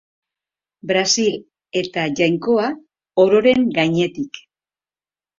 Brasil eta Jainkoa ororen gainetik.